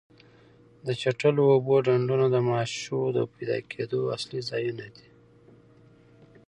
د چټلو اوبو ډنډونه د ماشو د پیدا کېدو اصلي ځایونه دي.